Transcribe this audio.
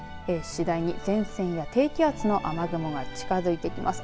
次第に前線や低気圧の雨雲が近づいてきます。